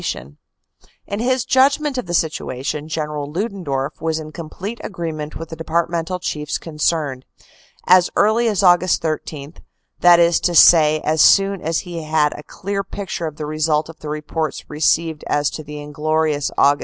280 CANADA S HUNDRED DAYS In his judgment of the situation, General Ludendorff was in complete agreement with the departmental chiefs concerned. As early as Aug. 13, that is to say as soon as he had a clear pic ture as the result of the reports received as to the inglorious Aug.